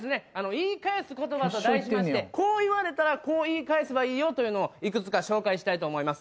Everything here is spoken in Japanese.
「言い返す言葉」と題しましてこう言われたらこう言い返せばいいよというのをいくつか紹介したいと思います。